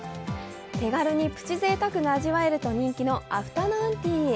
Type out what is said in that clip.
手軽にプチぜいたくが味わえると人気のアフタヌーンティー。